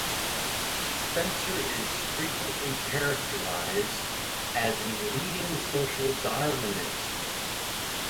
Spencer is frequently characterized as a leading Social Darwinist.